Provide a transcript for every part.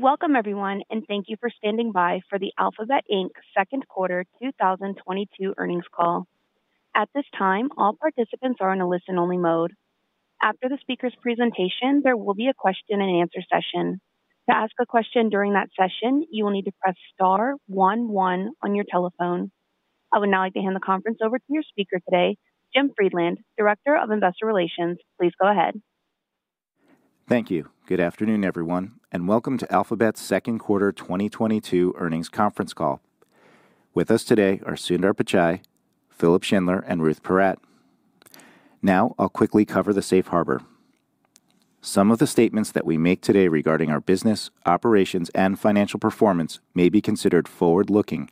Welcome, everyone, and thank you for standing by for the Alphabet Inc second quarter 2022 earnings call. At this time, all participants are in a listen-only mode. After the speaker's presentation, there will be a question-and-answer session. To ask a question during that session, you will need to press star 11 on your telephone. I would now like to hand the conference over to your speaker today, Jim Friedland, Director of Investor Relations. Please go ahead. Thank you. Good afternoon, everyone, and welcome to Alphabet's second quarter 2022 earnings conference call. With us today are Sundar Pichai, Philipp Schindler, and Ruth Porat. Now, I'll quickly cover the safe harbor. Some of the statements that we make today regarding our business, operations, and financial performance may be considered forward-looking,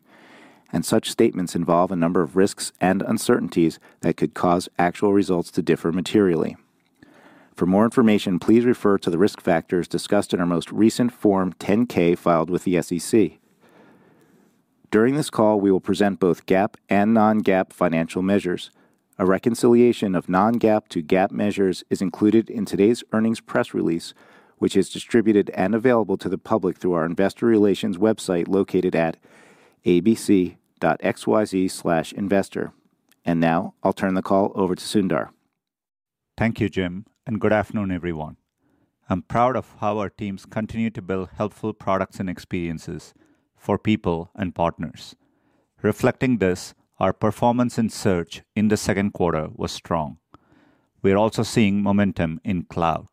and such statements involve a number of risks and uncertainties that could cause actual results to differ materially. For more information, please refer to the risk factors discussed in our most recent form 10-K filed with the SEC. During this call, we will present both GAAP and non-GAAP financial measures. A reconciliation of non-GAAP to GAAP measures is included in today's earnings press release, which is distributed and available to the public through our Investor Relations website located at abc.xyz/investor. Now, I'll turn the call over to Sundar. Thank you, Jim, and good afternoon, everyone. I'm proud of how our teams continue to build helpful products and experiences for people and partners. Reflecting this, our performance in Search in the second quarter was strong. We're also seeing momentum in Cloud.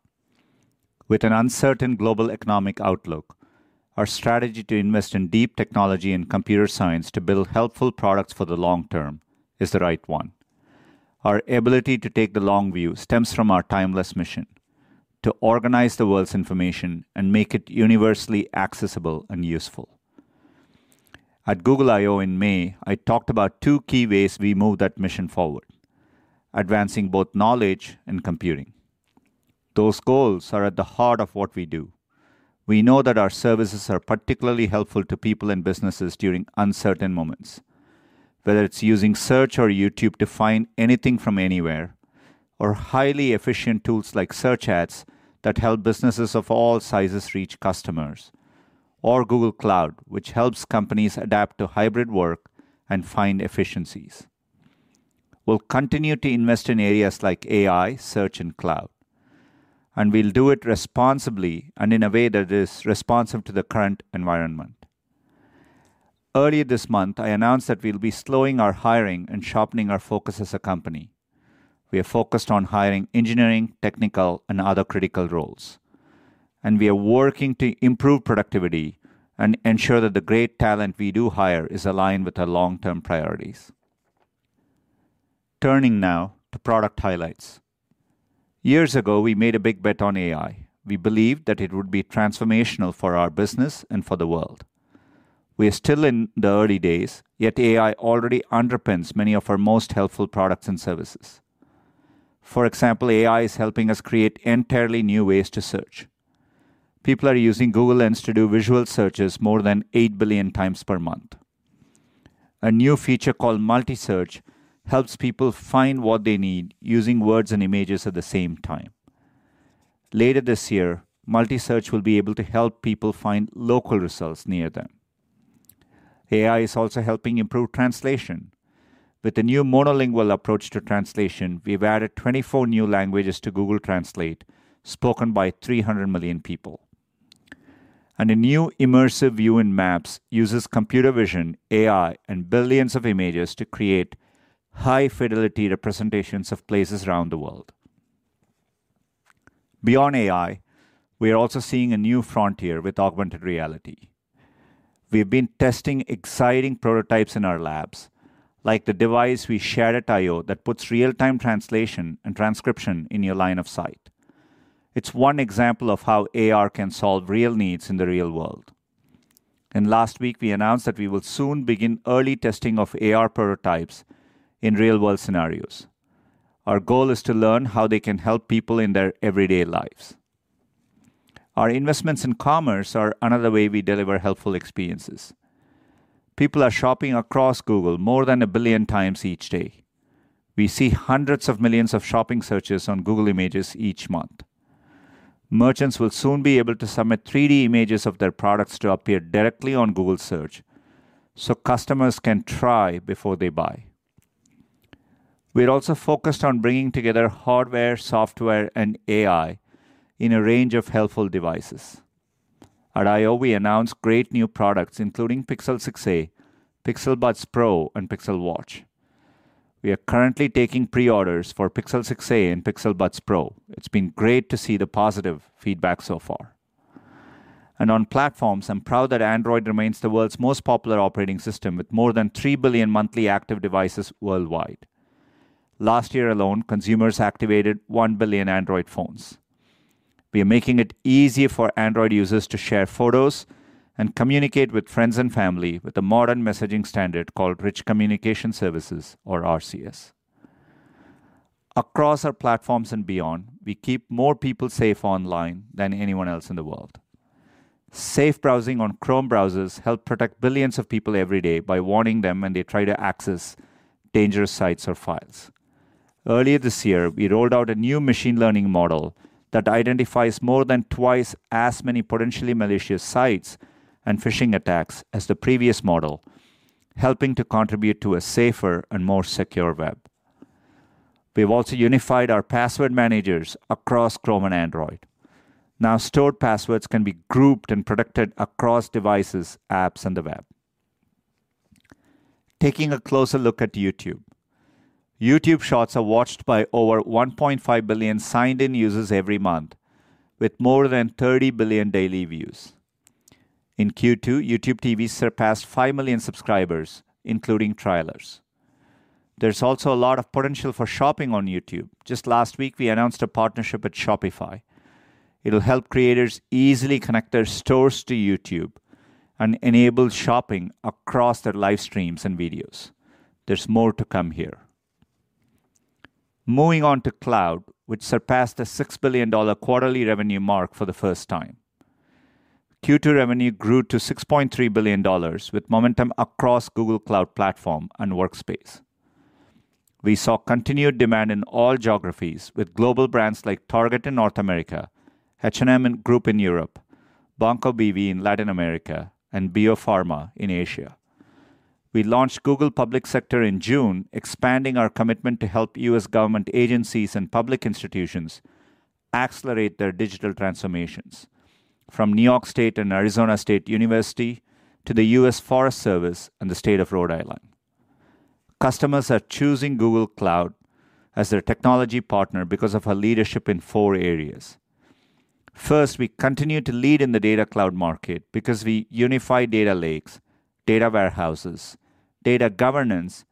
With an uncertain global economic outlook, our strategy to invest in deep technology and computer science to build helpful products for the long term is the right one. Our ability to take the long view stems from our timeless mission to organize the world's information and make it universally accessible and useful. At Google I/O in May, I talked about two key ways we move that mission forward: advancing both knowledge and computing. Those goals are at the heart of what we do. We know that our services are particularly helpful to people and businesses during uncertain moments, whether it's using Search or YouTube to find anything from anywhere, or highly efficient tools like Search Ads that help businesses of all sizes reach customers, or Google Cloud, which helps companies adapt to hybrid work and find efficiencies. We'll continue to invest in areas like AI, Search, and Cloud, and we'll do it responsibly and in a way that is responsive to the current environment. Earlier this month, I announced that we'll be slowing our hiring and sharpening our focus as a company. We are focused on hiring engineering, technical, and other critical roles, and we are working to improve productivity and ensure that the great talent we do hire is aligned with our long-term priorities. Turning now to product highlights. Years ago, we made a big bet on AI. We believed that it would be transformational for our business and for the world. We are still in the early days, yet AI already underpins many of our most helpful products and services. For example, AI is helping us create entirely new ways to search. People are using Google Lens to do visual searches more than eight billion times per month. A new feature called Multisearch helps people find what they need using words and images at the same time. Later this year, Multisearch will be able to help people find local results near them. AI is also helping improve translation. With a new monolingual approach to translation, we've added 24 new languages to Google Translate spoken by 300 million people, and a new Immersive View in Maps uses computer vision, AI, and billions of images to create high-fidelity representations of places around the world. Beyond AI, we are also seeing a new frontier with augmented reality. We've been testing exciting prototypes in our labs, like the device we shared at I/O that puts real-time translation and transcription in your line of sight. It's one example of how AR can solve real needs in the real world, and last week, we announced that we will soon begin early testing of AR prototypes in real-world scenarios. Our goal is to learn how they can help people in their everyday lives. Our investments in commerce are another way we deliver helpful experiences. People are shopping across Google more than a billion times each day. We see hundreds of millions of shopping searches on Google Images each month. Merchants will soon be able to submit 3D images of their products to appear directly on Google Search so customers can try before they buy. We're also focused on bringing together hardware, software, and AI in a range of helpful devices. At I/O, we announced great new products, including Pixel 6a, Pixel Buds Pro, and Pixel Watch. We are currently taking pre-orders for Pixel 6a and Pixel Buds Pro. It's been great to see the positive feedback so far. And on platforms, I'm proud that Android remains the world's most popular operating system with more than 3 billion monthly active devices worldwide. Last year alone, consumers activated 1 billion Android phones. We are making it easy for Android users to share photos and communicate with friends and family with a modern messaging standard called Rich Communication Services, or RCS. Across our platforms and beyond, we keep more people safe online than anyone else in the world. Safe Browsing on Chrome browsers helps protect billions of people every day by warning them when they try to access dangerous sites or files. Earlier this year, we rolled out a new machine learning model that identifies more than twice as many potentially malicious sites and phishing attacks as the previous model, helping to contribute to a safer and more secure web. We've also unified our password managers across Chrome and Android. Now, stored passwords can be grouped and protected across devices, apps, and the web. Taking a closer look at YouTube, YouTube Shorts are watched by over 1.5 billion signed-in users every month, with more than 30 billion daily views. In Q2, YouTube TV surpassed 5 million subscribers, including trialers. There's also a lot of potential for shopping on YouTube. Just last week, we announced a partnership with Shopify. It'll help creators easily connect their stores to YouTube and enable shopping across their live streams and videos. There's more to come here. Moving on to Cloud, which surpassed the $6 billion quarterly revenue mark for the first time. Q2 revenue grew to $6.3 billion, with momentum across Google Cloud Platform and Workspace. We saw continued demand in all geographies, with global brands like Target in North America, H&M Group in Europe, Banco BV in Latin America, and Bio Farma in Asia. We launched Google Public Sector in June, expanding our commitment to help U.S. government agencies and public institutions accelerate their digital transformations, from New York State and Arizona State University to the U.S. Forest Service and the state of Rhode Island. Customers are choosing Google Cloud as their technology partner because of our leadership in four areas. First, we continue to lead in the data cloud market because we unify data lakes, data warehouses, data governance,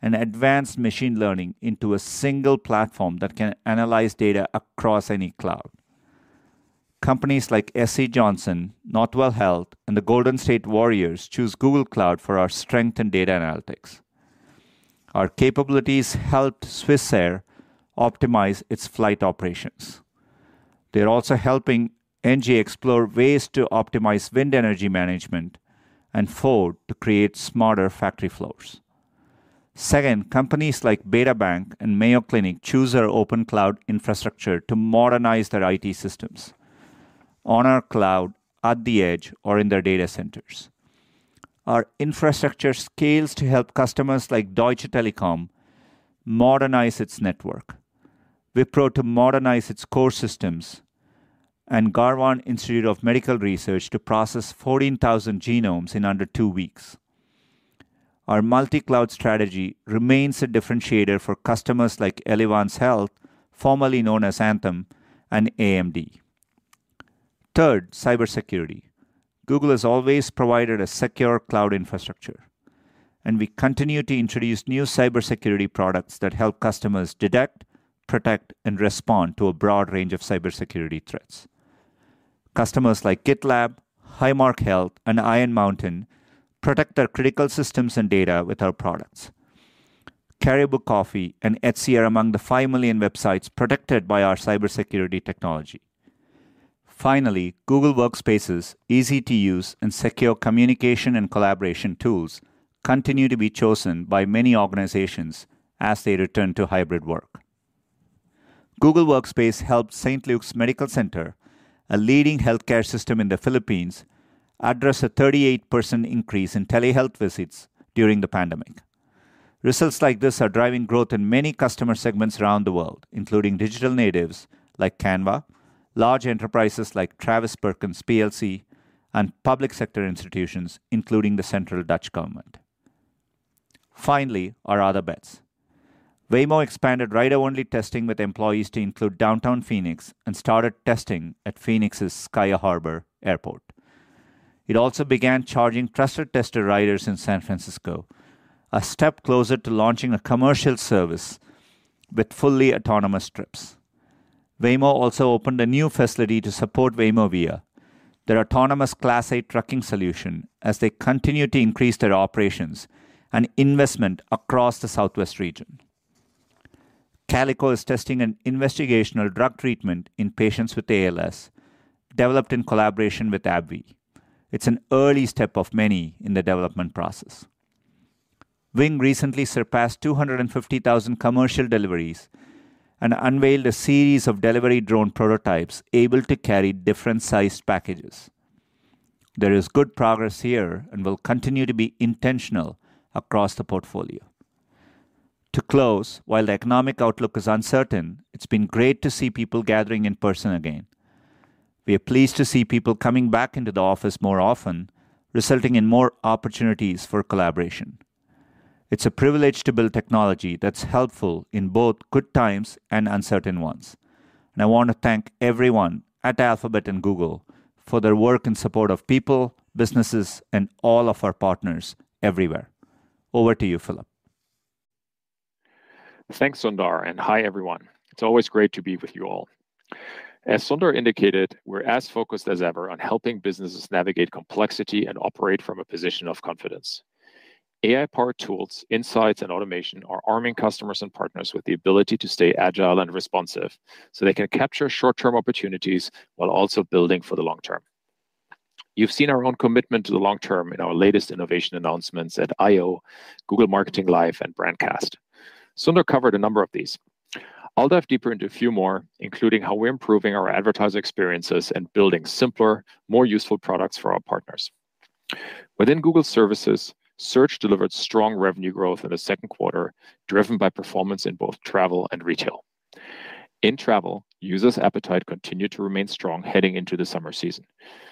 and advanced machine learning into a single platform that can analyze data across any cloud. Companies like SC Johnson, Northwell Health, and the Golden State Warriors choose Google Cloud for our strength in data analytics. Our capabilities helped SWISS Air optimize its flight operations. They're also helping ENGIE explore ways to optimize wind energy management and Ford to create smarter factory floors. Second, companies like KeyBank and Mayo Clinic choose our open cloud infrastructure to modernize their IT systems on our cloud, at the edge, or in their data centers. Our infrastructure scales to help customers like Deutsche Telekom modernize its network, Wipro to modernize its core systems, and Garvan Institute of Medical Research to process 14,000 genomes in under two weeks. Our multi-cloud strategy remains a differentiator for customers like Elevance Health, formerly known as Anthem, and AMD. Third, cybersecurity. Google has always provided a secure cloud infrastructure, and we continue to introduce new cybersecurity products that help customers detect, protect, and respond to a broad range of cybersecurity threats. Customers like GitLab, Highmark Health, and Iron Mountain protect their critical systems and data with our products. Caribou Coffee and Etsy are among the five million websites protected by our cybersecurity technology. Finally, Google Workspace, easy to use and secure communication and collaboration tools continue to be chosen by many organizations as they return to hybrid work. Google Workspace helped St. Luke's Medical Center, a leading healthcare system in the Philippines, address a 38% increase in telehealth visits during the pandemic. Results like this are driving growth in many customer segments around the world, including digital natives like Canva, large enterprises like Travis Perkins plc, and public sector institutions, including the central Dutch government. Finally, our other bets. Waymo expanded rider-only testing with employees to include downtown Phoenix and started testing at Phoenix's Sky Harbor Airport. It also began charging trusted tester riders in San Francisco, a step closer to launching a commercial service with fully autonomous trips. Waymo also opened a new facility to support Waymo Via, their autonomous Class 8 trucking solution, as they continue to increase their operations and investment across the Southwest region. Calico is testing an investigational drug treatment in patients with ALS developed in collaboration with AbbVie. It's an early step of many in the development process. Wing recently surpassed 250,000 commercial deliveries and unveiled a series of delivery drone prototypes able to carry different-sized packages. There is good progress here and will continue to be intentional across the portfolio. To close, while the economic outlook is uncertain, it's been great to see people gathering in person again. We are pleased to see people coming back into the office more often, resulting in more opportunities for collaboration. It's a privilege to build technology that's helpful in both good times and uncertain ones. And I want to thank everyone at Alphabet and Google for their work in support of people, businesses, and all of our partners everywhere. Over to you, Philipp. Thanks, Sundar, and hi, everyone. It's always great to be with you all. As Sundar indicated, we're as focused as ever on helping businesses navigate complexity and operate from a position of confidence. AI-powered tools, insights, and automation are arming customers and partners with the ability to stay agile and responsive so they can capture short-term opportunities while also building for the long term. You've seen our own commitment to the long term in our latest innovation announcements at I/O, Google Marketing Live, and Brandcast. Sundar covered a number of these. I'll dive deeper into a few more, including how we're improving our advertiser experiences and building simpler, more useful products for our partners. Within Google Services, Search delivered strong revenue growth in the second quarter, driven by performance in both travel and retail. In travel, users' appetite continued to remain strong heading into the summer season.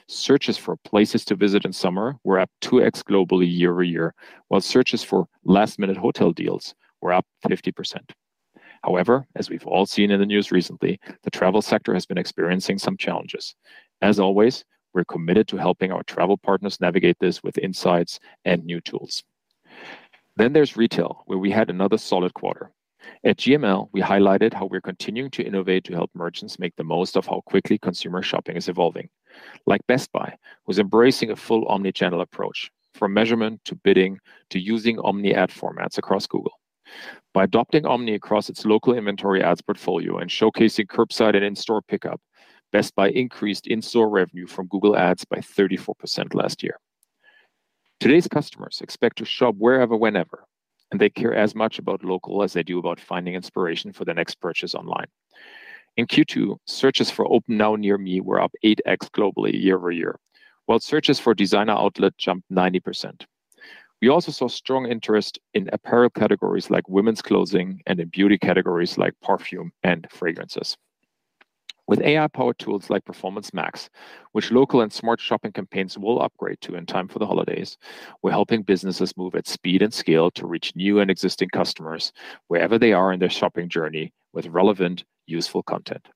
Searches for places to visit in summer were up 2x globally year-over-year, while searches for last-minute hotel deals were up 50%. However, as we've all seen in the news recently, the travel sector has been experiencing some challenges. As always, we're committed to helping our travel partners navigate this with insights and new tools. Then there's retail, where we had another solid quarter. At GML, we highlighted how we're continuing to innovate to help merchants make the most of how quickly consumer shopping is evolving. Like Best Buy, who's embracing a full omnichannel approach, from measurement to bidding to using omni ad formats across Google. By adopting omni across its Local Inventory Ads portfolio and showcasing curbside and in-store pickup, Best Buy increased in-store revenue from Google Ads by 34% last year. Today's customers expect to shop wherever, whenever, and they care as much about local as they do about finding inspiration for the next purchase online. In Q2, searches for "Open Now Near Me" were up 8x globally year-over-year, while searches for designer outlet jumped 90%. We also saw strong interest in apparel categories like women's clothing and in beauty categories like perfume and fragrances. With AI-powered tools like Performance Max, which local and Smart Shopping campaigns will upgrade to in time for the holidays, we're helping businesses move at speed and scale to reach new and existing customers wherever they are in their shopping journey with relevant, useful content.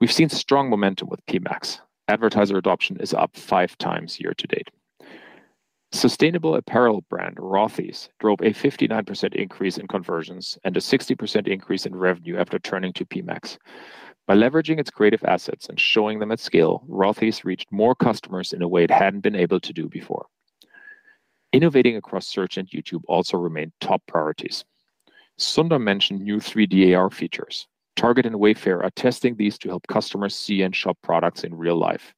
We've seen strong momentum with PMax. Advertiser adoption is up five times year to date. Sustainable apparel brand Rothy's drove a 59% increase in conversions and a 60% increase in revenue after turning to PMax. By leveraging its creative assets and showing them at scale, Rothy's reached more customers in a way it hadn't been able to do before. Innovating across search and YouTube also remained top priorities. Sundar mentioned new 3D AR features. Target and Wayfair are testing these to help customers see and shop products in real life.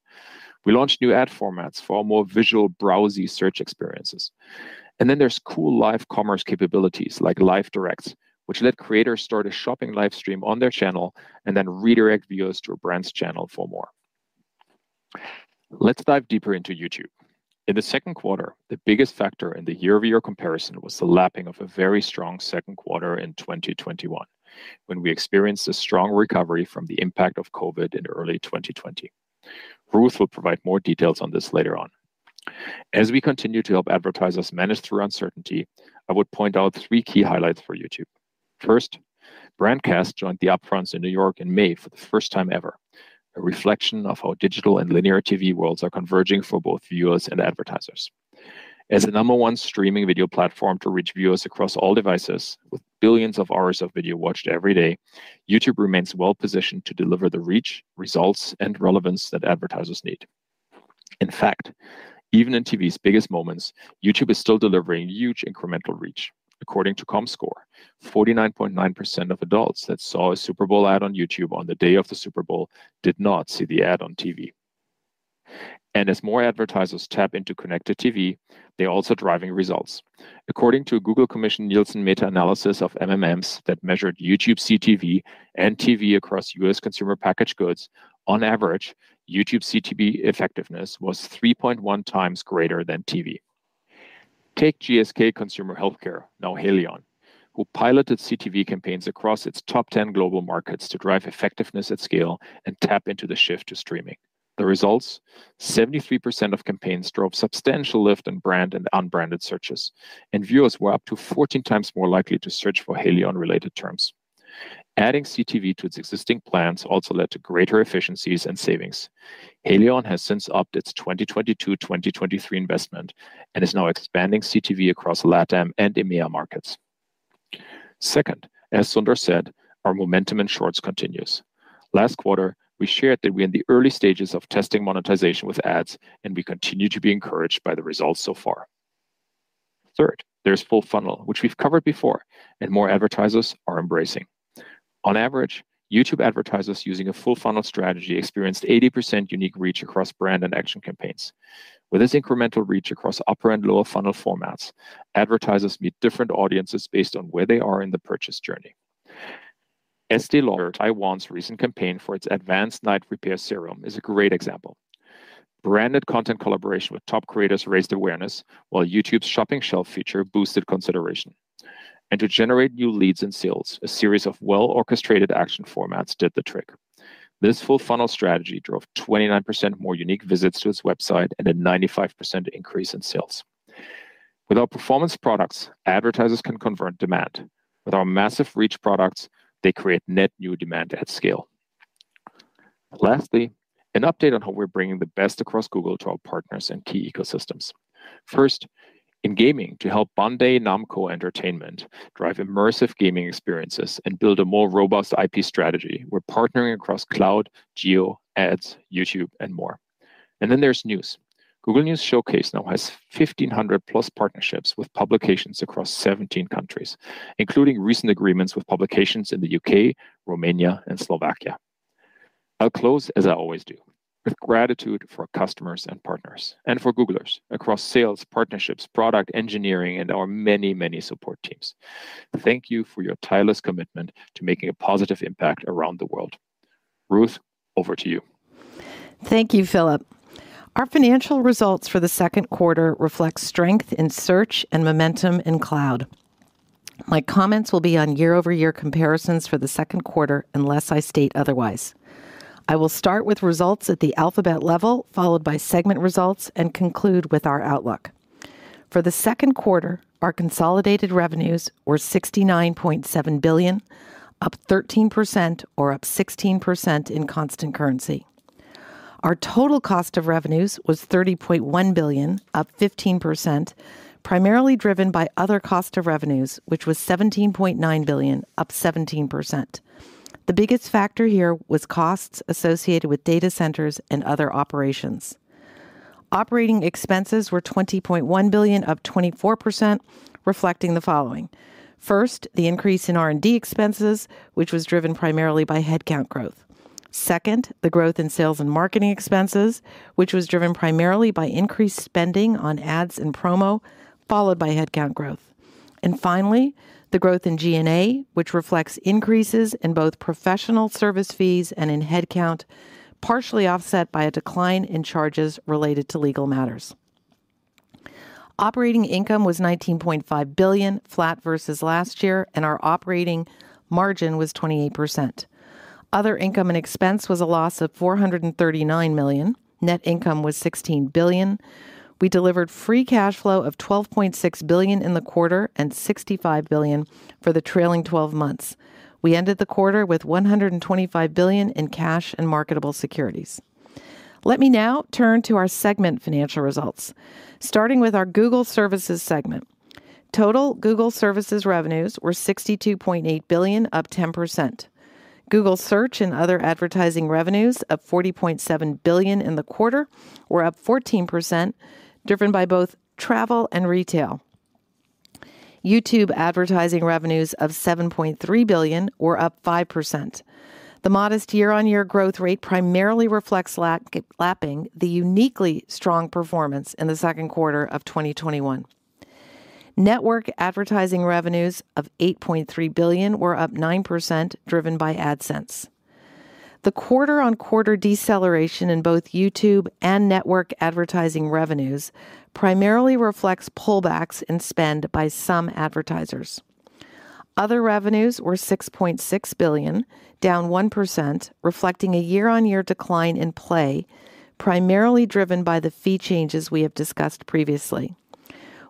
We launched new ad formats for our more visual, browsy search experiences, and then there's cool live commerce capabilities like Live Redirect, which let creators start a shopping live stream on their channel and then redirect viewers to a brand's channel for more. Let's dive deeper into YouTube. In the second quarter, the biggest factor in the year-over-year comparison was the lapping of a very strong second quarter in 2021, when we experienced a strong recovery from the impact of COVID in early 2020. Ruth will provide more details on this later on. As we continue to help advertisers manage through uncertainty, I would point out three key highlights for YouTube. First, Brandcast joined the upfronts in New York in May for the first time ever, a reflection of how digital and linear TV worlds are converging for both viewers and advertisers. As the number one streaming video platform to reach viewers across all devices, with billions of hours of video watched every day, YouTube remains well-positioned to deliver the reach, results, and relevance that advertisers need. In fact, even in TV's biggest moments, YouTube is still delivering huge incremental reach. According to Comscore, 49.9% of adults that saw a Super Bowl ad on YouTube on the day of the Super Bowl did not see the ad on TV. And as more advertisers tap into connected TV, they're also driving results. According to Google-commissioned Nielsen meta-analysis of MMMs that measured YouTube CTV and TV across U.S. consumer packaged goods, on average, YouTube CTV effectiveness was 3.1 times greater than TV. Take GSK Consumer Healthcare, now Haleon, who piloted CTV campaigns across its top 10 global markets to drive effectiveness at scale and tap into the shift to streaming. The results: 73% of campaigns drove substantial lift in brand and unbranded searches, and viewers were up to 14 times more likely to search for Haleon-related terms. Adding CTV to its existing plans also led to greater efficiencies and savings. Haleon has since upped its 2022-2023 investment and is now expanding CTV across LATAM and EMEA markets. Second, as Sundar said, our momentum in shorts continues. Last quarter, we shared that we're in the early stages of testing monetization with ads, and we continue to be encouraged by the results so far. Third, there's full-funnel, which we've covered before, and more advertisers are embracing. On average, YouTube advertisers using a full-funnel strategy experienced 80% unique reach across brand and action campaigns. With this incremental reach across upper and lower funnel formats, advertisers meet different audiences based on where they are in the purchase journey. Estée Lauder, Taiwan's recent campaign for its advanced night repair serum, is a great example. Branded content collaboration with top creators raised awareness, while YouTube's shopping shelf feature boosted consideration. And to generate new leads and sales, a series of well-orchestrated action formats did the trick. This full-funnel strategy drove 29% more unique visits to its website and a 95% increase in sales. With our performance products, advertisers can convert demand. With our massive reach products, they create net new demand at scale. Lastly, an update on how we're bringing the best across Google to our partners and key ecosystems. First, in gaming, to help Bandai Namco Entertainment drive immersive gaming experiences and build a more robust IP strategy, we're partnering across cloud, geo, ads, YouTube, and more. And then there's news. Google News Showcase now has 1,500-plus partnerships with publications across 17 countries, including recent agreements with publications in the U.K., Romania, and Slovakia. I'll close, as I always do, with gratitude for customers and partners, and for Googlers across sales, partnerships, product engineering, and our many, many support teams. Thank you for your tireless commitment to making a positive impact around the world. Ruth, over to you. Thank you, Philipp. Our financial results for the second quarter reflect strength in Search and momentum in Cloud. My comments will be on year-over-year comparisons for the second quarter, unless I state otherwise. I will start with results at the Alphabet level, followed by segment results, and conclude with our outlook. For the second quarter, our consolidated revenues were $69.7 billion, up 13%, or up 16% in constant currency. Our total cost of revenues was $30.1 billion, up 15%, primarily driven by other cost of revenues, which was $17.9 billion, up 17%. The biggest factor here was costs associated with data centers and other operations. Operating expenses were $20.1 billion, up 24%, reflecting the following. First, the increase in R&D expenses, which was driven primarily by headcount growth. Second, the growth in sales and marketing expenses, which was driven primarily by increased spending on ads and promo, followed by headcount growth. And finally, the growth in G&A, which reflects increases in both professional service fees and in headcount, partially offset by a decline in charges related to legal matters. Operating income was $19.5 billion, flat versus last year, and our operating margin was 28%. Other income and expense was a loss of $439 million. Net income was $16 billion. We delivered free cash flow of $12.6 billion in the quarter and $65 billion for the trailing 12 months. We ended the quarter with $125 billion in cash and marketable securities. Let me now turn to our segment financial results, starting with our Google Services segment. Total Google Services revenues were $62.8 billion, up 10%. Google Search and other advertising revenues, up $40.7 billion in the quarter, were up 14%, driven by both travel and retail. YouTube advertising revenues of $7.3 billion were up 5%. The modest year-on-year growth rate primarily reflects lapping the uniquely strong performance in the second quarter of 2021. Network advertising revenues of $8.3 billion were up 9%, driven by AdSense. The quarter-on-quarter deceleration in both YouTube and network advertising revenues primarily reflects pullbacks in spend by some advertisers. Other revenues were $6.6 billion, down 1%, reflecting a year-on-year decline in Play, primarily driven by the fee changes we have discussed previously.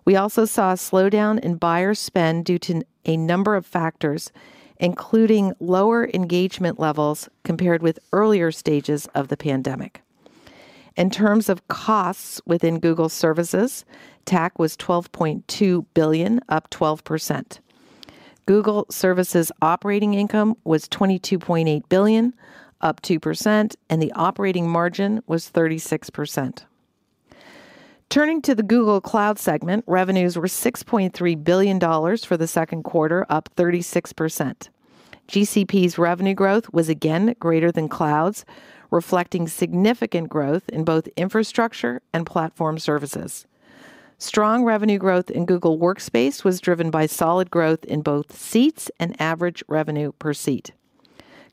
We also saw a slowdown in buyer spend due to a number of factors, including lower engagement levels compared with earlier stages of the pandemic. In terms of costs within Google Services, TAC was $12.2 billion, up 12%. Google Services operating income was $22.8 billion, up 2%, and the operating margin was 36%. Turning to the Google Cloud segment, revenues were $6.3 billion for the second quarter, up 36%. GCP's revenue growth was again greater than Cloud's, reflecting significant growth in both infrastructure and platform services. Strong revenue growth in Google Workspace was driven by solid growth in both seats and average revenue per seat.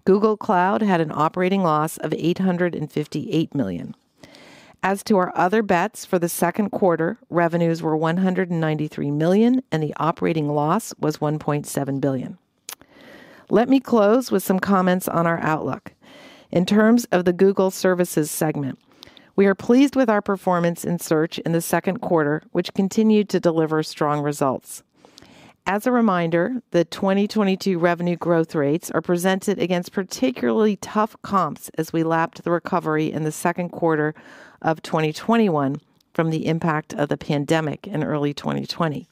Google Cloud had an operating loss of $858 million. As to our other bets for the second quarter, revenues were $193 million, and the operating loss was $1.7 billion. Let me close with some comments on our outlook. In terms of the Google Services segment, we are pleased with our performance in search in the second quarter, which continued to deliver strong results. As a reminder, the 2022 revenue growth rates are presented against particularly tough comps as we lapped the recovery in the second quarter of 2021 from the impact of the pandemic in early 2020.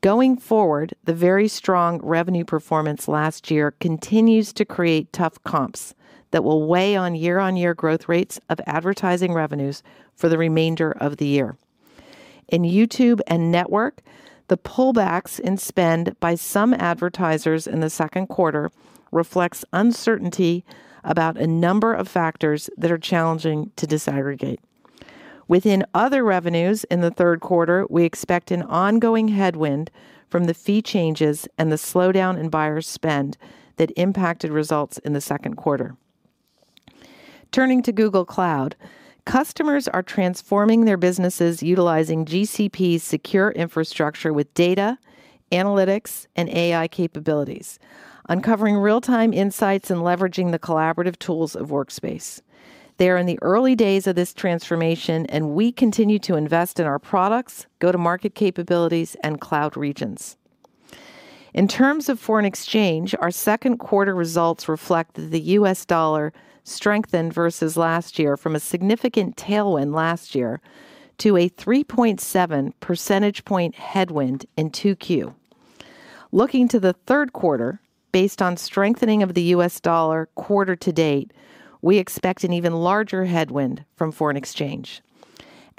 Going forward, the very strong revenue performance last year continues to create tough comps that will weigh on year-on-year growth rates of advertising revenues for the remainder of the year. In YouTube and network, the pullbacks in spend by some advertisers in the second quarter reflects uncertainty about a number of factors that are challenging to disaggregate. Within other revenues in the third quarter, we expect an ongoing headwind from the fee changes and the slowdown in buyer spend that impacted results in the second quarter. Turning to Google Cloud, customers are transforming their businesses utilizing GCP's secure infrastructure with data, analytics, and AI capabilities, uncovering real-time insights and leveraging the collaborative tools of Workspace. They are in the early days of this transformation, and we continue to invest in our products, go-to-market capabilities, and cloud regions. In terms of foreign exchange, our second quarter results reflect that the U.S. dollar strengthened versus last year from a significant tailwind last year to a 3.7 percentage point headwind in 2Q. Looking to the third quarter, based on strengthening of the U.S. dollar quarter to date, we expect an even larger headwind from foreign exchange.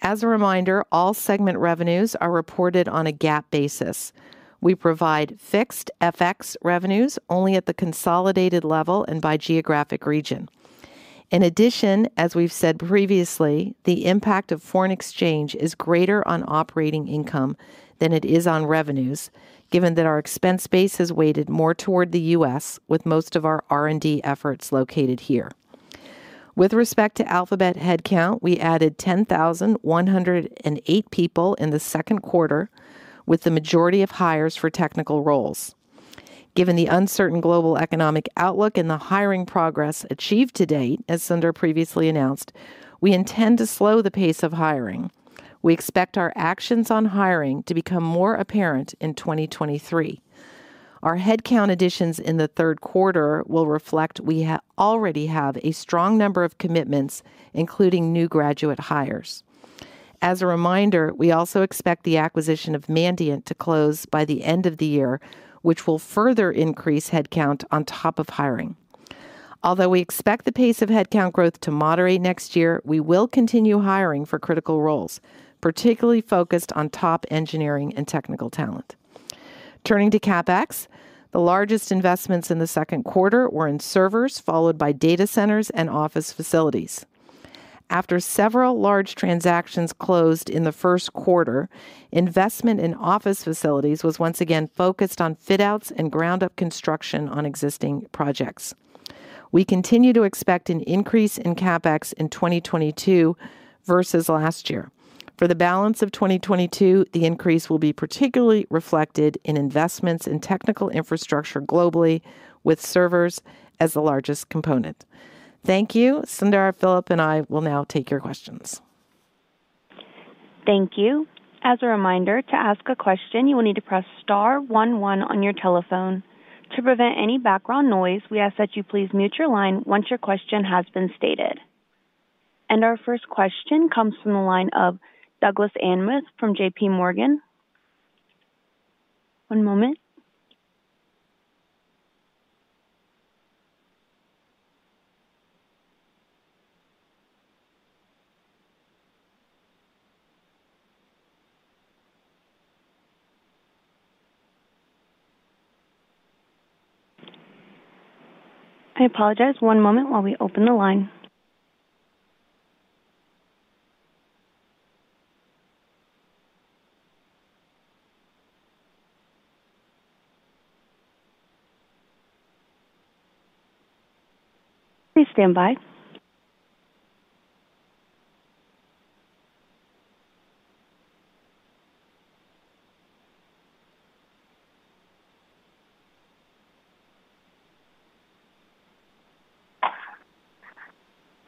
As a reminder, all segment revenues are reported on a GAAP basis. We provide fixed FX revenues only at the consolidated level and by geographic region. In addition, as we've said previously, the impact of foreign exchange is greater on operating income than it is on revenues, given that our expense base has weighted more toward the U.S., with most of our R&D efforts located here. With respect to Alphabet headcount, we added 10,108 people in the second quarter, with the majority of hires for technical roles. Given the uncertain global economic outlook and the hiring progress achieved to date, as Sundar previously announced, we intend to slow the pace of hiring. We expect our actions on hiring to become more apparent in 2023. Our headcount additions in the third quarter will reflect we already have a strong number of commitments, including new graduate hires. As a reminder, we also expect the acquisition of Mandiant to close by the end of the year, which will further increase headcount on top of hiring. Although we expect the pace of headcount growth to moderate next year, we will continue hiring for critical roles, particularly focused on top engineering and technical talent. Turning to CapEx, the largest investments in the second quarter were in servers, followed by data centers and office facilities. After several large transactions closed in the first quarter, investment in office facilities was once again focused on fit-outs and ground-up construction on existing projects. We continue to expect an increase in CapEx in 2022 versus last year. For the balance of 2022, the increase will be particularly reflected in investments in technical infrastructure globally, with servers as the largest component. Thank you. Sundar, Philipp, and I will now take your questions. Thank you. As a reminder, to ask a question, you will need to press star 11 on your telephone. To prevent any background noise, we ask that you please mute your line once your question has been stated. And our first question comes from the line of Douglas Anmuth from JPMorgan. One moment. I apologize. One moment while we open the line. Please stand by.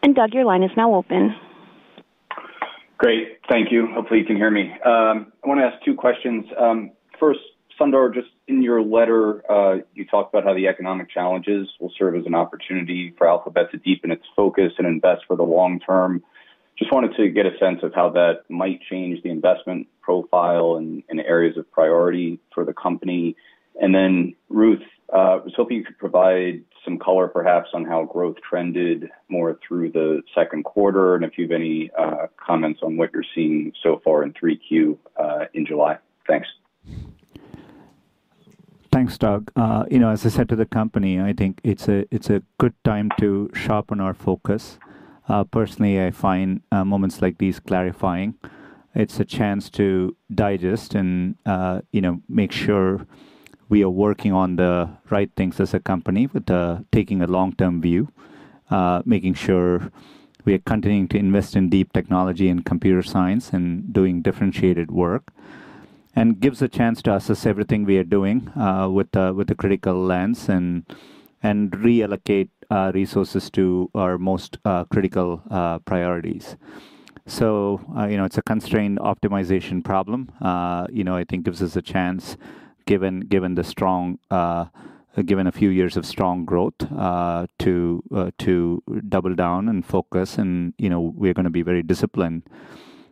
And Doug, your line is now open. Great. Thank you. Hopefully, you can hear me. I want to ask two questions. First, Sundar, just in your letter, you talked about how the economic challenges will serve as an opportunity for Alphabet to deepen its focus and invest for the long term. Just wanted to get a sense of how that might change the investment profile and areas of priority for the company. And then, Ruth, I was hoping you could provide some color, perhaps, on how growth trended more through the second quarter and if you have any comments on what you're seeing so far in 3Q in July. Thanks. Thanks, Doug. As I said to the company, I think it's a good time to sharpen our focus. Personally, I find moments like these clarifying. It's a chance to digest and make sure we are working on the right things as a company with taking a long-term view, making sure we are continuing to invest in deep technology and computer science and doing differentiated work, and gives a chance to assess everything we are doing with a critical lens and reallocate resources to our most critical priorities. So it's a constrained optimization problem. I think it gives us a chance, given a few years of strong growth, to double down and focus. And we're going to be very disciplined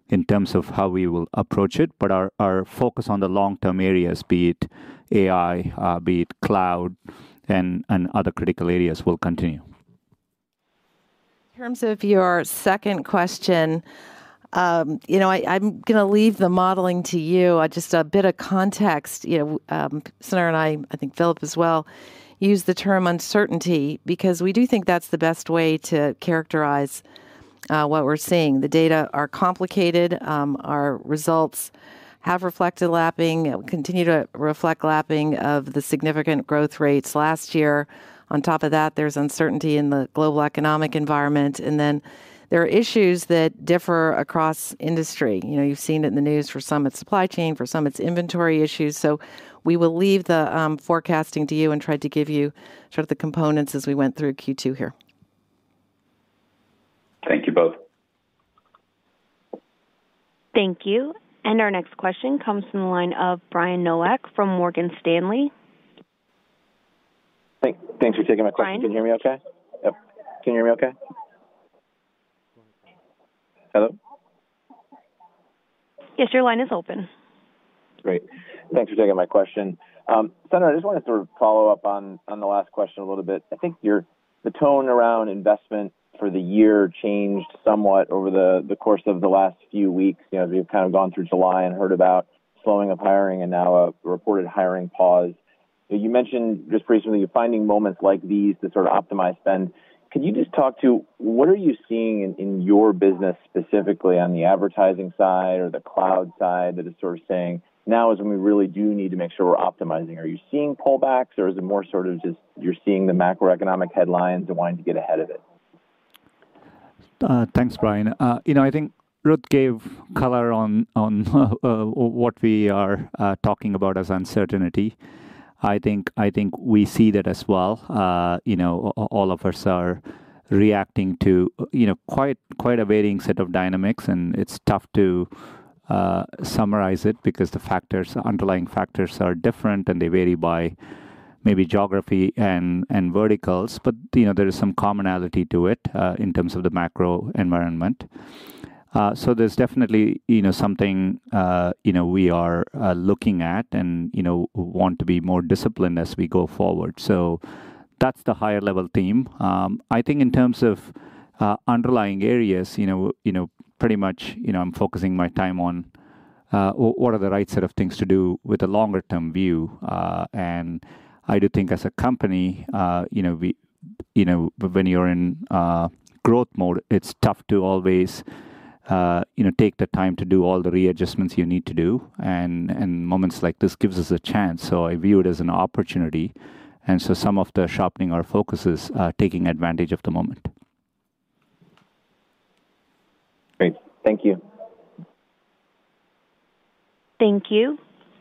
in terms of how we will approach it. But our focus on the long-term areas, be it AI, be it cloud, and other critical areas, will continue. In terms of your second question, I'm going to leave the modeling to you. Just a bit of context. Sundar and I, I think Philipp as well, use the term uncertainty because we do think that's the best way to characterize what we're seeing. The data are complicated. Our results have reflected lapping and continue to reflect lapping of the significant growth rates last year. On top of that, there's uncertainty in the global economic environment. And then there are issues that differ across industry. You've seen it in the news for some. It's supply chain. For some, it's inventory issues. So we will leave the forecasting to you and try to give you sort of the components as we went through Q2 here. Thank you both. Thank you. And our next question comes from the line of Brian Nowak from Morgan Stanley. Thanks for taking my question. Can you hear me okay? Yep. Can you hear me okay? Hello? Yes, your line is open. Great. Thanks for taking my question. Sundar, I just wanted to follow up on the last question a little bit. I think the tone around investment for the year changed somewhat over the course of the last few weeks. We've kind of gone through July and heard about slowing of hiring and now a reported hiring pause. You mentioned just recently you're finding moments like these to sort of optimize spend. Could you just talk to what are you seeing in your business specifically on the advertising side or the cloud side that is sort of saying, "Now is when we really do need to make sure we're optimizing"? Are you seeing pullbacks, or is it more sort of just you're seeing the macroeconomic headlines and wanting to get ahead of it? Thanks, Brian. I think Ruth gave color on what we are talking about as uncertainty. I think we see that as well. All of us are reacting to quite a varying set of dynamics, and it's tough to summarize it because the underlying factors are different, and they vary by maybe geography and verticals. But there is some commonality to it in terms of the macro environment. So there's definitely something we are looking at and want to be more disciplined as we go forward. So that's the higher-level theme. I think in terms of underlying areas, pretty much I'm focusing my time on what are the right set of things to do with a longer-term view. And I do think as a company, when you're in growth mode, it's tough to always take the time to do all the readjustments you need to do. And moments like this give us a chance. So I view it as an opportunity. And so some of the sharpening our focus is taking advantage of the moment. Great. Thank you. Thank you.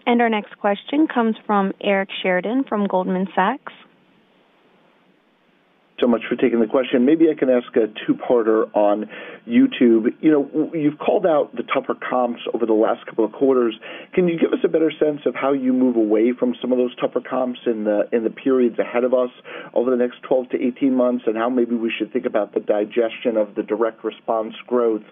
And our next question comes from Eric Sheridan from Goldman Sachs. Thank you for taking the question. Maybe I can ask a two-parter on YouTube. You've called out the tougher comps over the last couple of quarters. Can you give us a better sense of how you move away from some of those tougher comps in the periods ahead of us over the next 12 to 18 months and how maybe we should think about the digestion of the direct response growth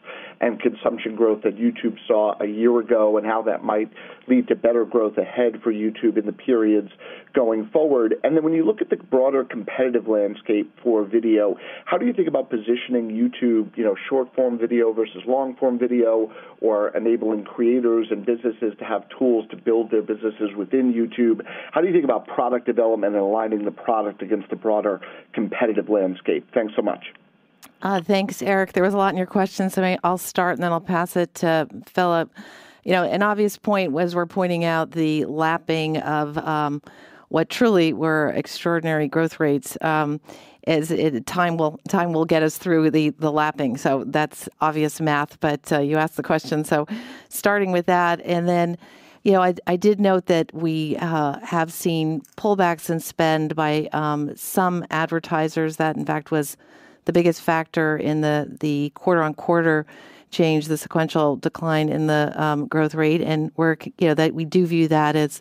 and consumption growth that YouTube saw a year ago and how that might lead to better growth ahead for YouTube in the periods going forward? And then when you look at the broader competitive landscape for video, how do you think about positioning YouTube short-form video versus long-form video or enabling creators and businesses to have tools to build their businesses within YouTube? How do you think about product development and aligning the product against the broader competitive landscape? Thanks so much. Thanks, Eric. There was a lot in your questions, so I'll start, and then I'll pass it to Philip. An obvious point was we're pointing out the lapping of what truly were extraordinary growth rates as time will get us through the lapping, so that's obvious math, but you asked the question, so starting with that, and then I did note that we have seen pullbacks in spend by some advertisers. That, in fact, was the biggest factor in the quarter-on-quarter change, the sequential decline in the growth rate, and we do view that as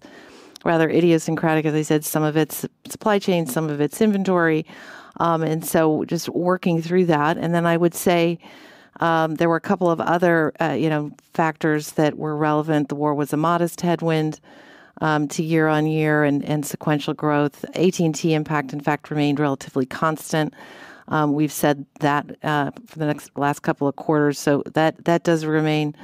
rather idiosyncratic, as I said, some of it's supply chain, some of it's inventory, and so just working through that, and then I would say there were a couple of other factors that were relevant. The war was a modest headwind to year-on-year and sequential growth. AT&T impact, in fact, remained relatively constant. We've said that for the last couple of quarters. So that does remain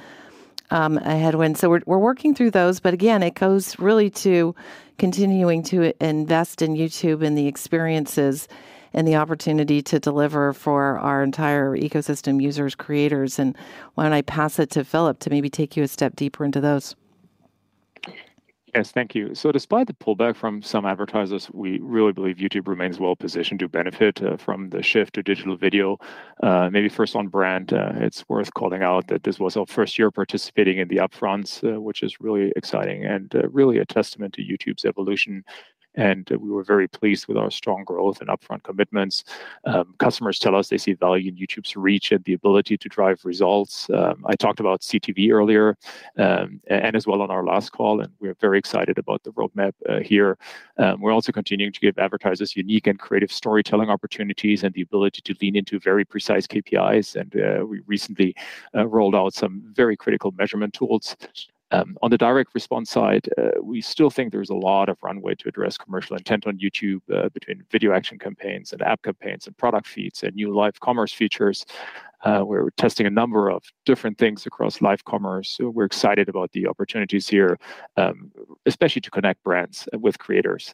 a headwind. So we're working through those. But again, it goes really to continuing to invest in YouTube and the experiences and the opportunity to deliver for our entire ecosystem users, creators. And why don't I pass it to Philipp to maybe take you a step deeper into those? Yes, thank you. Despite the pullback from some advertisers, we really believe YouTube remains well-positioned to benefit from the shift to digital video. Maybe first on brand, it's worth calling out that this was our first year participating in the upfronts, which is really exciting and really a testament to YouTube's evolution. We were very pleased with our strong growth and upfront commitments. Customers tell us they see value in YouTube's reach and the ability to drive results. I talked about CTV earlier and as well on our last call, and we're very excited about the roadmap here. We're also continuing to give advertisers unique and creative storytelling opportunities and the ability to lean into very precise KPIs. We recently rolled out some very critical measurement tools. On the direct response side, we still think there's a lot of runway to address commercial intent on YouTube between video action campaigns and app campaigns and product feeds and new live commerce features. We're testing a number of different things across live commerce, so we're excited about the opportunities here, especially to connect brands with creators.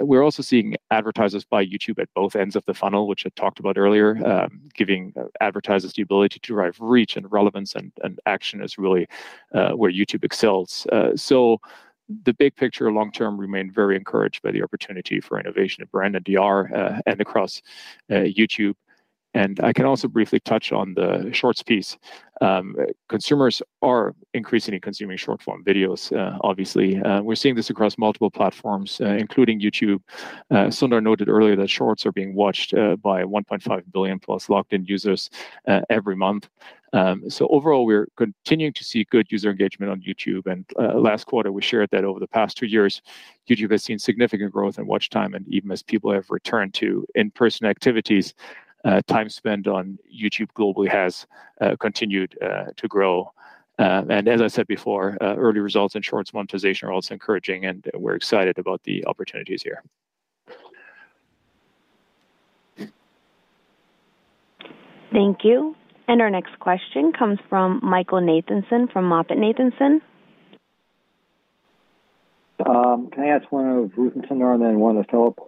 We're also seeing advertisers buy YouTube at both ends of the funnel, which I talked about earlier, giving advertisers the ability to drive reach and relevance and action, is really where YouTube excels, so the big picture long term remains very encouraged by the opportunity for innovation at brand and DR and across YouTube, and I can also briefly touch on the shorts piece. Consumers are increasingly consuming short-form videos, obviously. We're seeing this across multiple platforms, including YouTube. Sundar noted earlier that shorts are being watched by 1.5 billion plus locked-in users every month. So overall, we're continuing to see good user engagement on YouTube. And last quarter, we shared that over the past two years, YouTube has seen significant growth in watch time and even as people have returned to in-person activities, time spent on YouTube globally has continued to grow. And as I said before, early results in shorts monetization are also encouraging, and we're excited about the opportunities here. Thank you. And our next question comes from Michael Nathanson from MoffettNathanson. Can I ask one of Ruth and Sundar and then one of Philipp?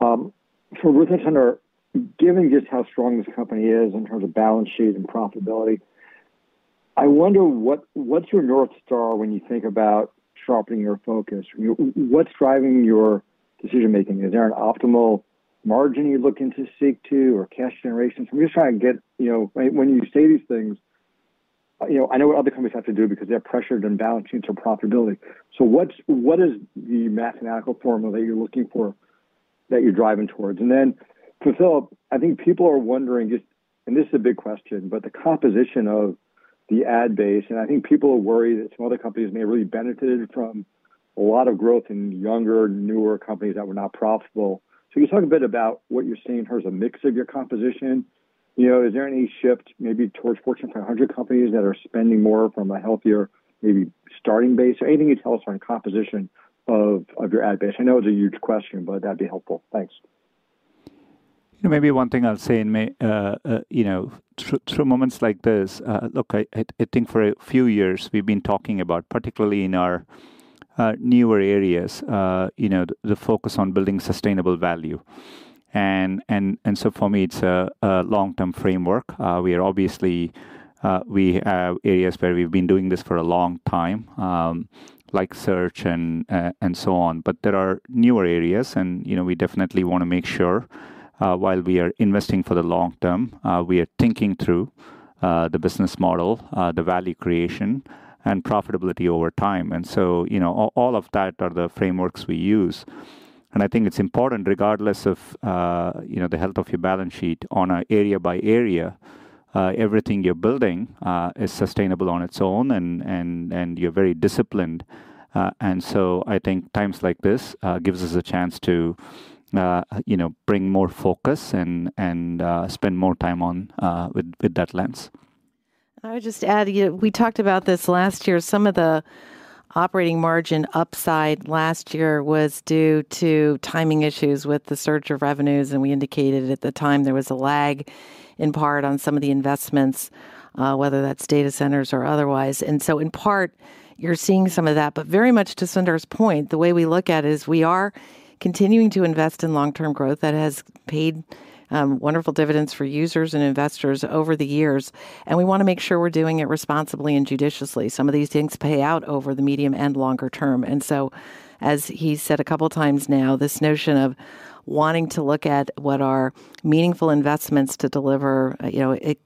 For Ruth and Sundar, given just how strong this company is in terms of balance sheet and profitability, I wonder what's your North Star when you think about sharpening your focus? What's driving your decision-making? Is there an optimal margin you're looking to seek to or cash generation? I'm just trying to get when you say these things, I know what other companies have to do because they're pressured on balance sheets or profitability. So what is the mathematical formula that you're looking for that you're driving towards? And then for Philipp, I think people are wondering just, and this is a big question, but the composition of the ad base. I think people are worried that some other companies may have really benefited from a lot of growth in younger, newer companies that were not profitable. Can you talk a bit about what you're seeing in terms of mix of your composition? Is there any shift maybe towards Fortune 500 companies that are spending more from a healthier, maybe starting base? Anything you tell us on composition of your ad base? I know it's a huge question, but that'd be helpful. Thanks. Maybe one thing I'll say in true moments like this. Look, I think for a few years we've been talking about, particularly in our newer areas, the focus on building sustainable value. And so for me, it's a long-term framework. We obviously have areas where we've been doing this for a long time, like search and so on. But there are newer areas, and we definitely want to make sure while we are investing for the long term, we are thinking through the business model, the value creation, and profitability over time. And so all of that are the frameworks we use. And I think it's important regardless of the health of your balance sheet on an area by area, everything you're building is sustainable on its own, and you're very disciplined. And so I think times like this gives us a chance to bring more focus and spend more time with that lens. I would just add, we talked about this last year. Some of the operating margin upside last year was due to timing issues with the surge of revenues, and we indicated at the time there was a lag in part on some of the investments, whether that's data centers or otherwise, and so in part, you're seeing some of that, but very much to Sundar's point, the way we look at it is we are continuing to invest in long-term growth that has paid wonderful dividends for users and investors over the years, and we want to make sure we're doing it responsibly and judiciously. Some of these things pay out over the medium and longer term. And so as he said a couple of times now, this notion of wanting to look at what are meaningful investments to deliver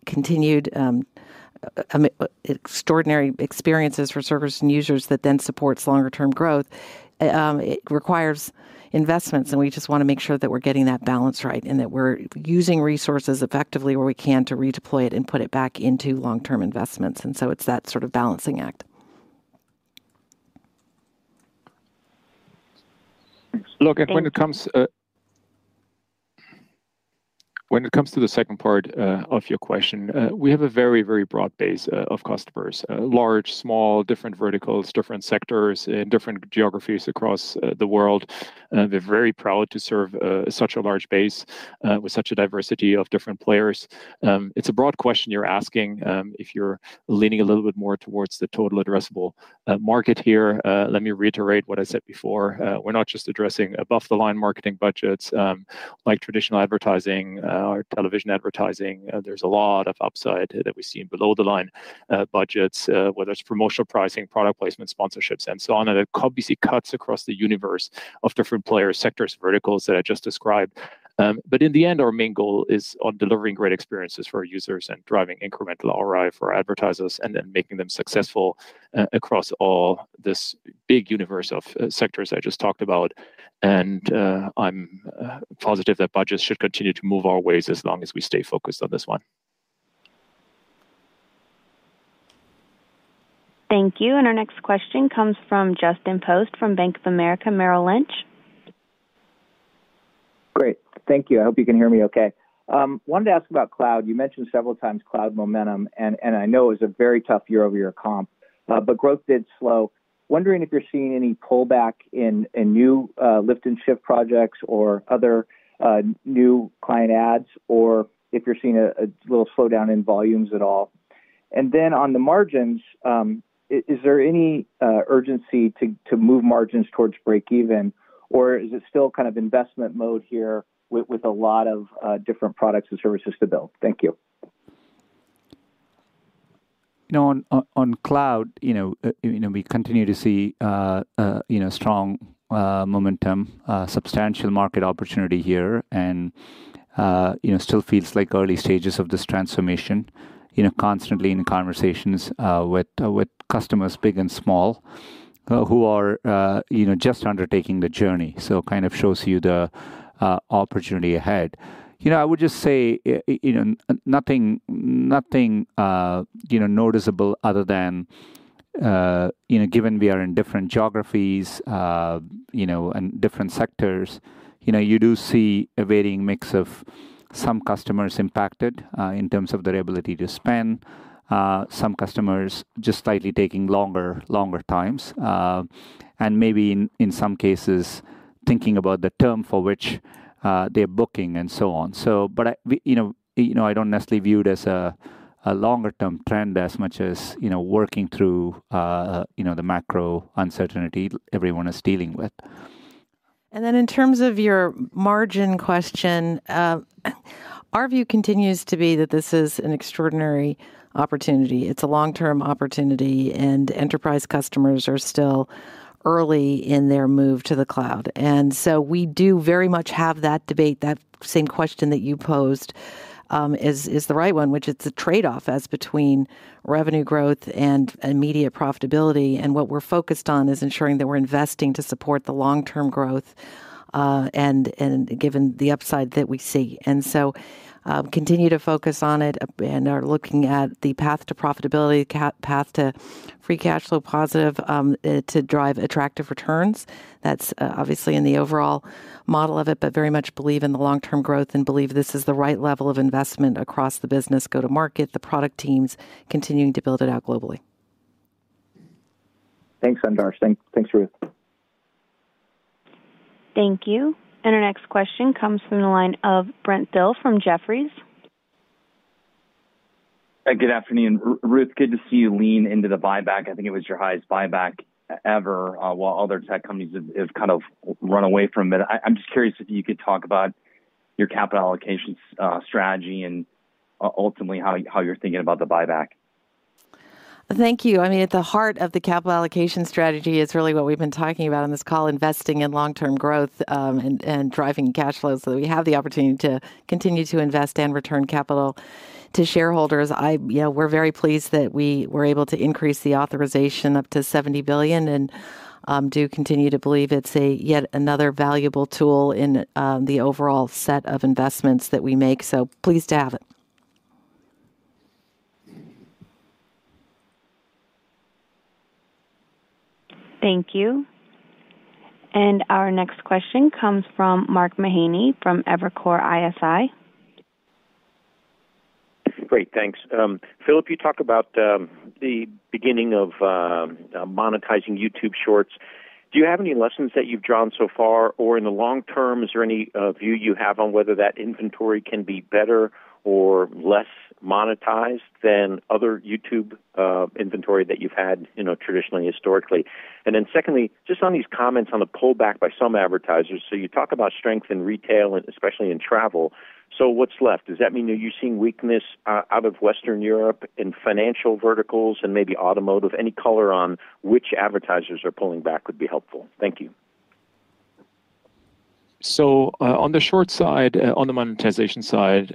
continued extraordinary experiences for searchers and users that then supports longer-term growth, it requires investments. And we just want to make sure that we're getting that balance right and that we're using resources effectively where we can to redeploy it and put it back into long-term investments. And so it's that sort of balancing act. Look, when it comes to the second part of your question, we have a very, very broad base of customers: large, small, different verticals, different sectors in different geographies across the world. We're very proud to serve such a large base with such a diversity of different players. It's a broad question you're asking. If you're leaning a little bit more towards the total addressable market here, let me reiterate what I said before. We're not just addressing above-the-line marketing budgets like traditional advertising or television advertising. There's a lot of upside that we've seen below-the-line budgets, whether it's promotional pricing, product placement, sponsorships, and so on, and there are obviously cuts across the universe of different players, sectors, verticals that I just described. But in the end, our main goal is on delivering great experiences for our users and driving incremental ROI for advertisers and then making them successful across all this big universe of sectors I just talked about. And I'm positive that budgets should continue to move our ways as long as we stay focused on this one. Thank you. And our next question comes from Justin Post from Bank of America Merrill Lynch. Great. Thank you. I hope you can hear me okay. I wanted to ask about cloud. You mentioned several times cloud momentum, and I know it was a very tough year-over-year comp, but growth did slow. Wondering if you're seeing any pullback in new lift-and-shift projects or other new client adds or if you're seeing a little slowdown in volumes at all. And then on the margins, is there any urgency to move margins towards breakeven, or is it still kind of investment mode here with a lot of different products and services to build? Thank you. On cloud, we continue to see strong momentum, substantial market opportunity here, and still feels like early stages of this transformation. Constantly in conversations with customers big and small who are just undertaking the journey. So it kind of shows you the opportunity ahead. I would just say nothing noticeable other than given we are in different geographies and different sectors, you do see a varying mix of some customers impacted in terms of their ability to spend, some customers just slightly taking longer times, and maybe in some cases thinking about the term for which they're booking and so on. But I don't necessarily view it as a longer-term trend as much as working through the macro uncertainty everyone is dealing with. And then in terms of your margin question, our view continues to be that this is an extraordinary opportunity. It's a long-term opportunity, and enterprise customers are still early in their move to the cloud. And so we do very much have that debate. That same question that you posed is the right one, which it's a trade-off as between revenue growth and immediate profitability. And what we're focused on is ensuring that we're investing to support the long-term growth and given the upside that we see. And so continue to focus on it and are looking at the path to profitability, path to free cash flow positive to drive attractive returns. That's obviously in the overall model of it, but very much believe in the long-term growth and believe this is the right level of investment across the business, go to market, the product teams continuing to build it out globally. Thanks, Sundar. Thanks, Ruth. Thank you. Our next question comes from the line of Brent Thill from Jefferies. Good afternoon, Ruth. Good to see you lean into the buyback. I think it was your highest buyback ever while other tech companies have kind of run away from it. I'm just curious if you could talk about your capital allocation strategy and ultimately how you're thinking about the buyback? Thank you. I mean, at the heart of the capital allocation strategy is really what we've been talking about on this call, investing in long-term growth and driving cash flow so that we have the opportunity to continue to invest and return capital to shareholders. We're very pleased that we were able to increase the authorization up to $70 billion and do continue to believe it's yet another valuable tool in the overall set of investments that we make. So pleased to have it. Thank you. And our next question comes from Mark Mahaney from Evercore ISI. Great. Thanks. Philipp, you talked about the beginning of monetizing YouTube Shorts. Do you have any lessons that you've drawn so far? Or in the long term, is there any view you have on whether that inventory can be better or less monetized than other YouTube inventory that you've had traditionally, historically? And then secondly, just on these comments on the pullback by some advertisers. So you talk about strength in retail and especially in travel. So what's left? Does that mean that you're seeing weakness out of Western Europe in financial verticals and maybe automotive? Any color on which advertisers are pulling back would be helpful. Thank you. So, on the short side, on the monetization side,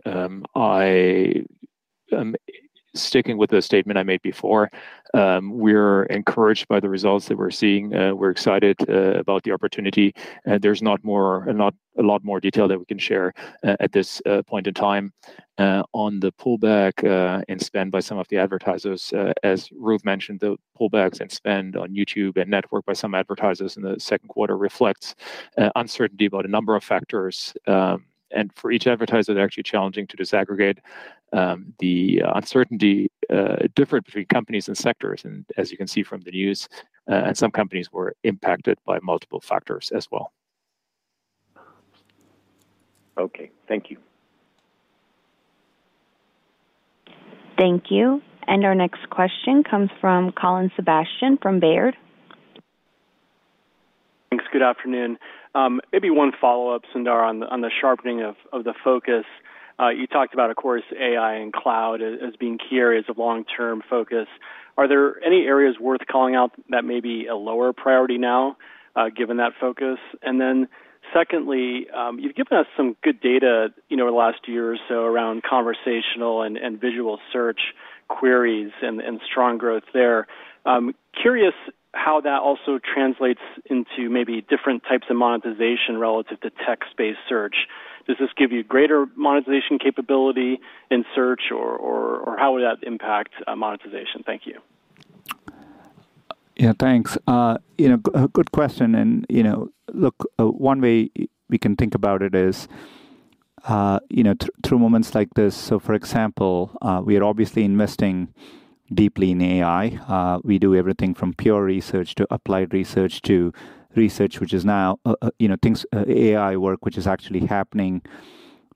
sticking with the statement I made before, we're encouraged by the results that we're seeing. We're excited about the opportunity. There's not a lot more detail that we can share at this point in time. On the pullback and spend by some of the advertisers, as Ruth mentioned, the pullbacks and spend on YouTube and Network by some advertisers in the second quarter reflect uncertainty about a number of factors. And for each advertiser, it's actually challenging to disaggregate the different uncertainties between companies and sectors. And as you can see from the news, some companies were impacted by multiple factors as well. Okay. Thank you. Thank you. And our next question comes from Colin Sebastian from Baird. Thanks. Good afternoon. Maybe one follow-up, Sundar, on the sharpening of the focus. You talked about, of course, AI and cloud as being key areas of long-term focus. Are there any areas worth calling out that may be a lower priority now given that focus? And then secondly, you've given us some good data over the last year or so around conversational and visual search queries and strong growth there. Curious how that also translates into maybe different types of monetization relative to text-based search. Does this give you greater monetization capability in search, or how would that impact monetization? Thank you. Yeah, thanks. Good question. And look, one way we can think about it is through moments like this. So for example, we are obviously investing deeply in AI. We do everything from pure research to applied research to research, which is now AI work, which is actually happening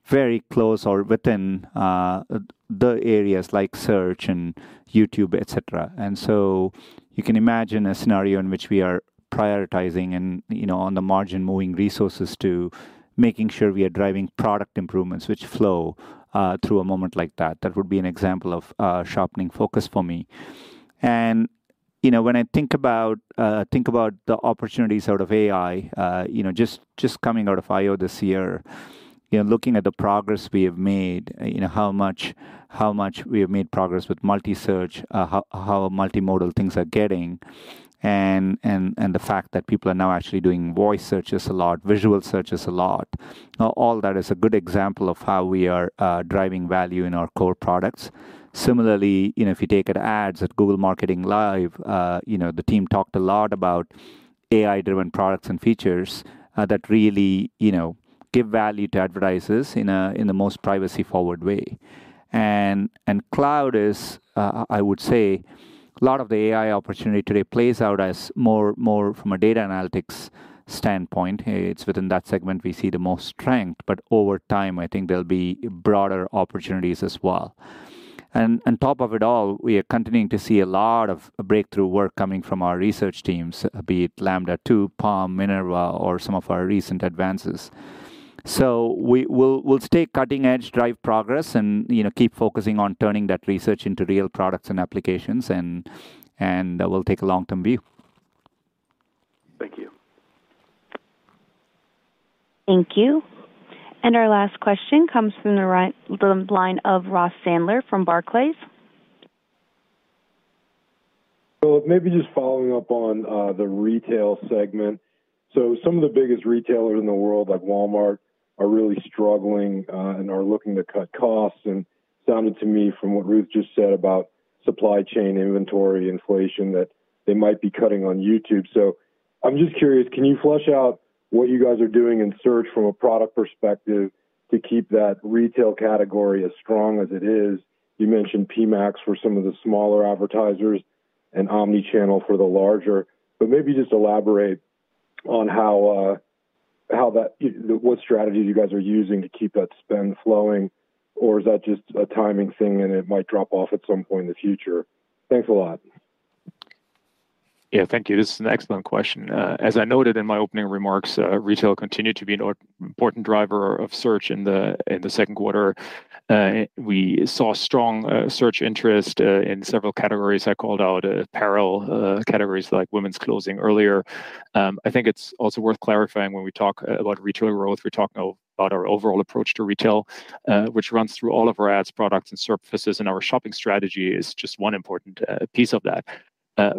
very close or within the areas like search and YouTube, etc. And so you can imagine a scenario in which we are prioritizing and on the margin moving resources to making sure we are driving product improvements, which flow through a moment like that. That would be an example of a sharpening focus for me. When I think about the opportunities out of AI, just coming out of I/O this year, looking at the progress we have made, how much we have made progress with Multisearch, how multimodal things are getting, and the fact that people are now actually doing voice searches a lot, visual searches a lot. All that is a good example of how we are driving value in our core products. Similarly, if you take ads at Google Marketing Live, the team talked a lot about AI-driven products and features that really give value to advertisers in the most privacy-forward way. Cloud is, I would say, a lot of the AI opportunity today plays out as more from a data analytics standpoint. It's within that segment we see the most strength. But over time, I think there'll be broader opportunities as well. And on top of it all, we are continuing to see a lot of breakthrough work coming from our research teams, be it LaMDA 2, PaLM, Minerva, or some of our recent advances. So we'll stay cutting-edge, drive progress, and keep focusing on turning that research into real products and applications. And we'll take a long-term view. Thank you. Thank you. And our last question comes from the line of Ross Sandler from Barclays. So maybe just following up on the retail segment. Some of the biggest retailers in the world, like Walmart, are really struggling and are looking to cut costs. And it sounded to me from what Ruth just said about supply chain inventory inflation that they might be cutting on YouTube. So I'm just curious, can you flesh out what you guys are doing in search from a product perspective to keep that retail category as strong as it is? You mentioned PMax for some of the smaller advertisers and Omnichannel for the larger. But maybe just elaborate on what strategies you guys are using to keep that spend flowing, or is that just a timing thing and it might drop off at some point in the future? Thanks a lot. Yeah, thank you. This is an excellent question. As I noted in my opening remarks, retail continued to be an important driver of search in the second quarter. We saw strong search interest in several categories. I called out apparel categories like women's clothing earlier. I think it's also worth clarifying when we talk about retail growth, we're talking about our overall approach to retail, which runs through all of our ads, products, and surfaces. And our shopping strategy is just one important piece of that.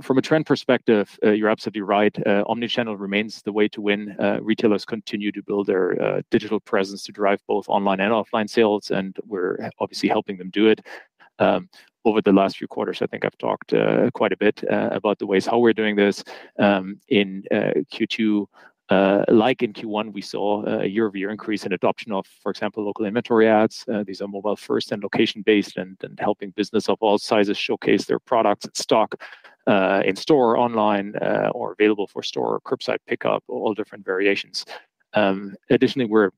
From a trend perspective, you're absolutely right. Omnichannel remains the way to win. Retailers continue to build their digital presence to drive both online and offline sales, and we're obviously helping them do it. Over the last few quarters, I think I've talked quite a bit about the ways how we're doing this in Q2. Like in Q1, we saw a year-over-year increase in adoption of, for example, local inventory ads. These are mobile-first and location-based and helping businesses of all sizes showcase their products in stock in store online or available for store curbside pickup, all different variations. Additionally, we're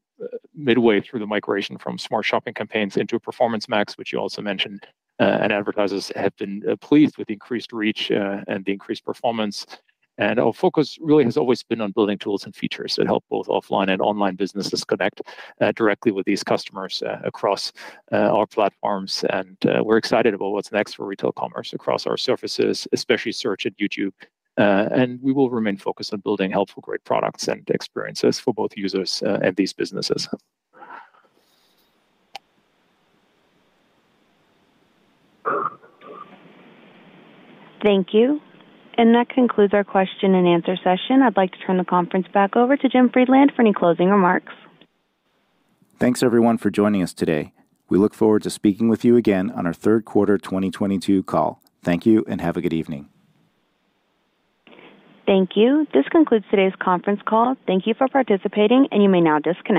midway through the migration from smart shopping campaigns into Performance Max, which you also mentioned, and advertisers have been pleased with increased reach and the increased performance, and our focus really has always been on building tools and features that help both offline and online businesses connect directly with these customers across our platforms, and we're excited about what's next for retail commerce across our surfaces, especially search and YouTube, and we will remain focused on building helpful, great products and experiences for both users and these businesses. Thank you. And that concludes our question and answer session. I'd like to turn the conference back over to Jim Friedland for any closing remarks. Thanks, everyone, for joining us today. We look forward to speaking with you again on our third quarter 2022 call. Thank you and have a good evening. Thank you. This concludes today's conference call. Thank you for participating, and you may now disconnect.